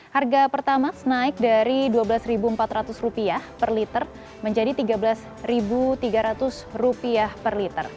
harga pertamax naik dari rp dua belas empat ratus per liter menjadi rp tiga belas tiga ratus per liter